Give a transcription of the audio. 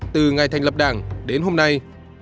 từ ngày thành lập đảng đến hôm nay